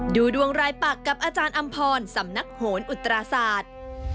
ดูดวงรายปักกับอาจารย์อำพรสำนักโหนอุตราศาสตร์